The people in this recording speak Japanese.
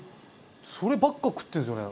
そればっか食ってるんですよね。